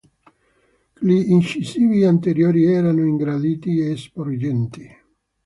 Gli incisivi anteriori erano ingranditi e sporgenti.